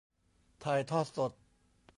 ถ่ายทอดสด